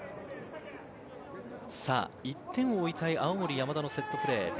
１点を追いたい青森山田のセットプレー。